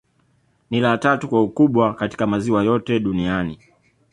Ni la tatu kwa ukubwa katika maziwa yote Duniani